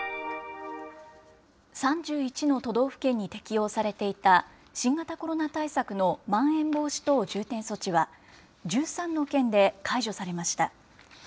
３１の都道府県に適用されていた新型コロナ対策のまん延防止等重点措置は、１３の県で解除されました。